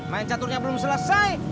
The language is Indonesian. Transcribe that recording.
mencaturnya belum selesai